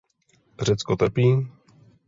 Řecko trpí?